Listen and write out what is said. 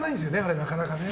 なかなかね。